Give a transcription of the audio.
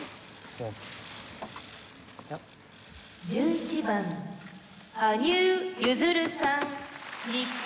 「１１番羽生結弦さん日本」。